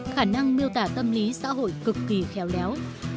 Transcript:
khả năng miêu tả tâm lý xã hội cực kỳ khéo léo